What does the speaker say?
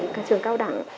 trường cao đẳng